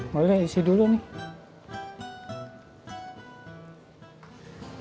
boleh isi dulu nih